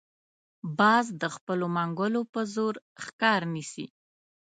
باز د خپلو منګولو په زور ښکار نیسي